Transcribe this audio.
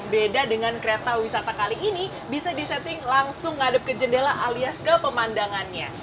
beda dengan kereta wisata kali ini bisa di setting langsung ngadep ke jendela alias ke pemandangannya